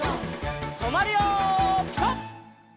とまるよピタ！